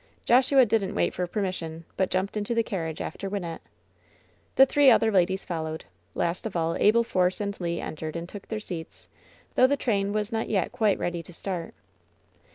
Joshua didn't wait for permission, but jumped into the carriage after Wynnette. The three other ladies followed. Last of all Abel Force and Le entered and took their seats, though the train was not yet quite ready to start.